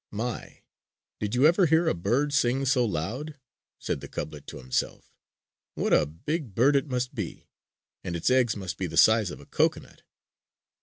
"My, did you ever hear a bird sing so loud?" said the cublet to himself. "What a big bird it must be! And its eggs must be the size of a cocoanut!"